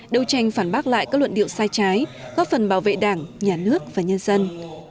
đấu tranh phản bác lại các luận điệu sai trái góp phần bảo vệ đảng nhà nước và nhân dân